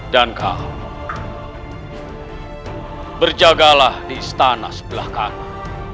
dan kau berjagalah di istana sebelah kanan